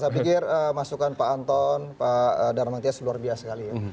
saya pikir masukan pak anton pak darmantias luar biasa sekali ya